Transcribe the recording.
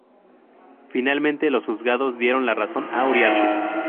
Finalmente los juzgados dieron la razón a Uriarte.